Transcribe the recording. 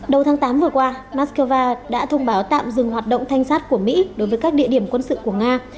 đầu tháng tám vừa qua moscow đã thông báo tạm dừng hoạt động thanh sát của mỹ đối với các địa điểm quân sự của nga